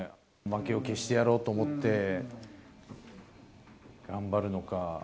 負けを消してやろうと思って頑張るのか。